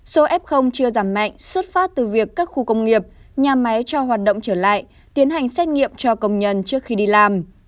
số f chưa giảm mạnh xuất phát từ việc các khu công nghiệp nhà máy cho hoạt động trở lại tiến hành xét nghiệm cho công nhân trước khi đi làm